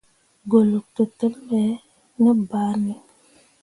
Goluk tǝtǝmmi ɓe ne banne.